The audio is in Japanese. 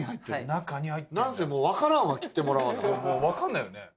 中になんせもうわからんわ切ってもらわなもうわかんないよね